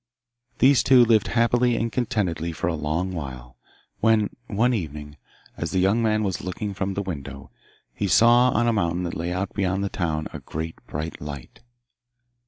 These two lived happy and contentedly for a long while, when one evening, as the young man was looking from the window, he saw on a mountain that lay out beyond the town a great bright light.